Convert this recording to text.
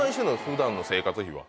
普段の生活費は。